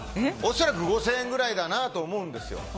恐らく５０００円くらいだなと思うんですよ。